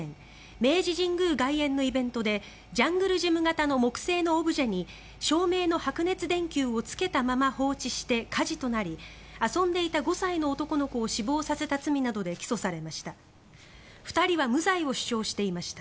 明治神宮外苑のイベントでジャングルジム型の木製のオブジェに照明の白熱電球をつけたまま放置して火事となり遊んでいた５歳の男の子を死亡させた罪などで起訴されました。